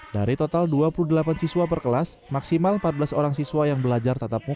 dari total dua puluh delapan siswa per kelas maksimal empat belas orang siswa yang belajar tatap muka